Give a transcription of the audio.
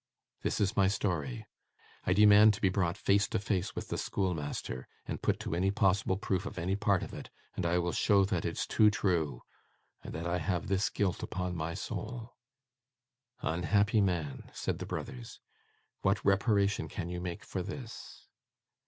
This is my story. I demand to be brought face to face with the schoolmaster, and put to any possible proof of any part of it, and I will show that it's too true, and that I have this guilt upon my soul.' 'Unhappy man!' said the brothers. 'What reparation can you make for this?